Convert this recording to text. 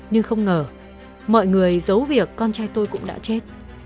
nhưng không ngờ mọi người giấu việc con trai tôi cũng đã chết